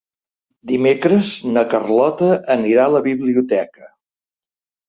Dimecres na Carlota anirà a la biblioteca.